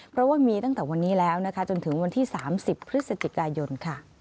เพราะว่ามีตั้งแต่วันนี้แล้วนะคะจนถึงวันที่๓๐พฤศจิกายน